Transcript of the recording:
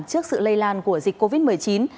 trước sự lây lan của dịch covid một mươi chín